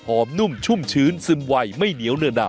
หอมนุ่มชุ่มชื้นซึมไหวไม่เหนียวเหนือดับ